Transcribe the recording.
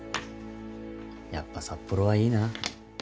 やっぱ札幌はいいな。